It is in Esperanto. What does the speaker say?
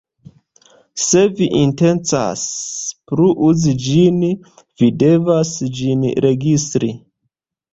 Se vi intencas plu uzi ĝin, vi devas ĝin registri.